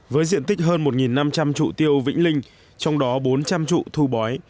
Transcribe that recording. với diện tích hơn một năm trăm linh trụ tiêu vĩnh linh trong đó bốn trăm linh trụ thu bói